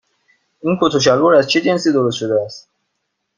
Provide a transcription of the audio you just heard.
این کت و شلوار از چه جنسی درست شده است؟